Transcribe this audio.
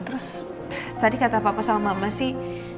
terus tadi kata papa sama mama sih